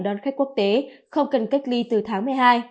đón khách quốc tế không cần cách ly từ tháng một mươi hai